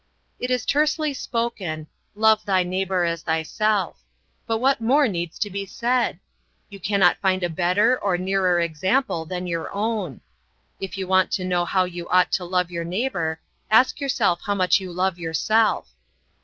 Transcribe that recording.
It is tersely spoken: "Love thy neighbour as thyself." But what more needs to be said? You cannot find a better or nearer example than your own. If you want to know how you ought to love your neighbor, ask yourself how much you love yourself.